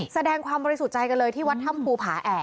แซมบาริสุทธิ์ใจกันเลยที่วัดถ้ำภู